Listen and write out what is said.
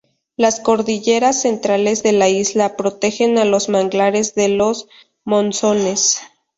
Las cordilleras centrales de la isla protegen a los manglares de los monzones.